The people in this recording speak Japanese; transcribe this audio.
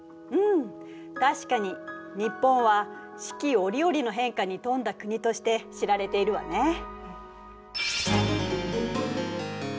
うん確かに日本は四季折々の変化に富んだ国として知られているわね。